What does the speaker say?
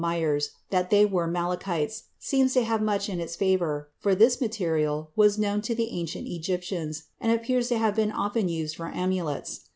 Myers, that they were malachites, seems to have much in its favor, for this material was known to the ancient Egyptians and appears to have been often used for amulets.